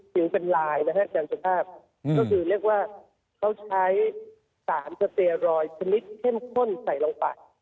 ถึงเป็นลายนะฮะอาจารย์สุภาพก็คือเรียกว่าเขาใช้สารสเตรอยชนิดเข้มข้นใส่ลงไป